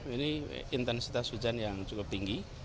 ini intensitas hujan yang cukup tinggi